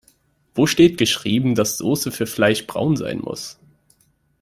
Wo steht geschrieben, dass Soße für Fleisch braun sein muss?